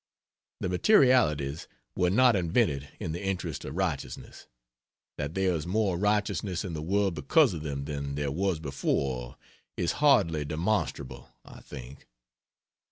The materialities were not invented in the interest of righteousness; that there is more righteousness in the world because of them than there, was before, is hardly demonstrable, I think.